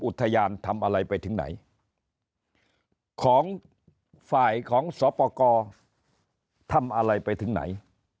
อุทยานทำอะไรไปถึงไหนของฝ่ายของสปกรทำอะไรไปถึงไหน